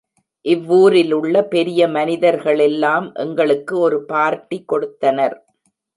இவ்வூரிலுள்ள பெரிய மனிதர்களெல்லாம் எங்களுக்கு ஒரு பார்ட்டி கொடுத்தனர்.